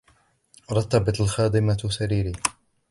رتبت الخادمة سريري.